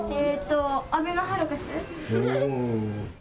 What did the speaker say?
あべのハルカス。